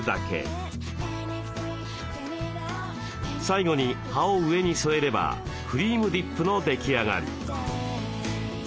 最後に葉を上に添えればクリームディップの出来上がり。